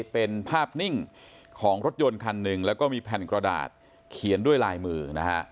เป็นภาพนิ่งของรถยนต์คันหนึ่งแล้วก็มีแผ่นกระดาษเขียนด้วยลายมือนะฮะ